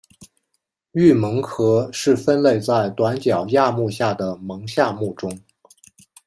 鹬虻科是分类在短角亚目下的虻下目中。